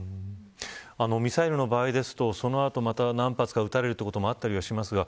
ミサイルの場合ですとその後、何発か撃たれることもありますか。